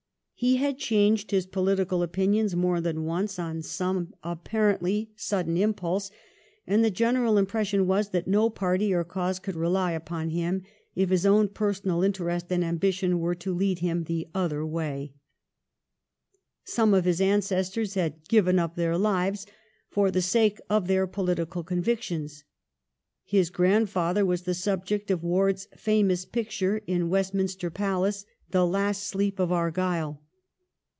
He had changed his political opinions more than once on some 1714 THE DUKE OF AEGYI.E. 361 apparently sudden impulse, and the general impres sion was that no party or cause could rely upon him if his own personal interest and ambition were to lead him the other way. Some of his ancestors had given up their lives for the sake of their political convictions. His grandfather was the subject of Ward's famous picture in Westminster Palace, ' The Last Sleep of Argyle.'